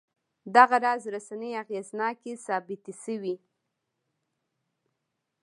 دغه راز رسنۍ اغېزناکې ثابتې شوې.